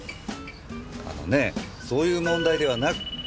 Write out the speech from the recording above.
あのねえそういう問題ではなく。